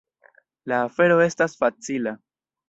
La afero estas facila.